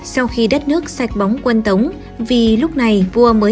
sau khi đất nước sạch bóng quân tống vì lúc này vua mới một mươi hai tuổi